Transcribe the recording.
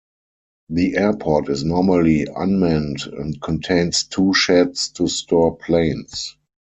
The Airport is normally un-manned and contains two sheds to store planes.